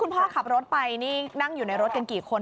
วันนั้นคุณพ่อขับรถไปนี่นั่งอยู่ในรถเป็นกี่คน